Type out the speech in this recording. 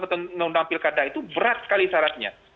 undang undang pilkada itu berat sekali syaratnya